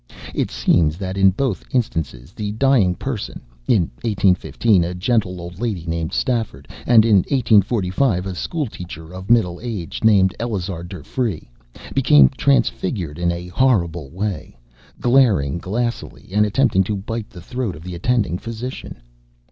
It seems that in both instances the dying person, in 1815 a gentle old lady named Stafford and in 1845 a schoolteacher of middle age named Eleazar Durfee, became transfigured in a horrible way, glaring glassily and attempting to bite the throat of the attending physician.